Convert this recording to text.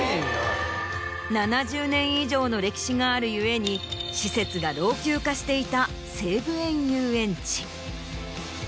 ７０年以上の歴史がある故に施設が老朽化していた西武園ゆうえんち。